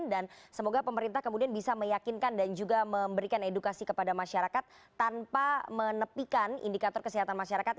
dan semoga pemerintah kemudian bisa meyakinkan dan juga memberikan edukasi kepada masyarakat tanpa menepikan indikator kesehatan masyarakat